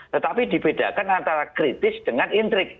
tetapi dibedakan antara kritis dengan intrik